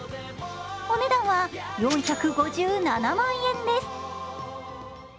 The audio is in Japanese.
お値段は４５７万円です。